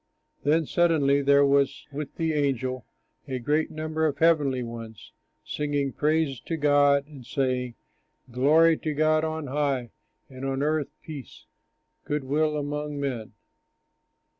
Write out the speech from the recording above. Then suddenly there was with the angel a great number of the heavenly ones singing praise to God and saying: "Glory to God on high, And on earth peace, good will among men."